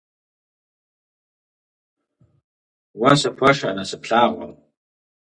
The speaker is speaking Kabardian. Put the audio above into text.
Уэ сыхуэшэ насып лъагъуэм.